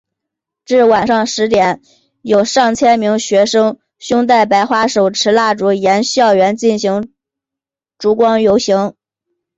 至晚上十点有上千名学生胸带白花手持蜡烛沿校园进行烛光游行。